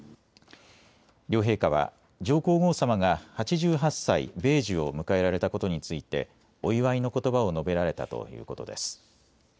両陛下は上皇后さまが８８歳・米寿を迎えられたことについてお祝いのことばを述べられたということです。